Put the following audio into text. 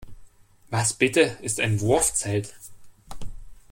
Was bitte ist ein Wurfzelt?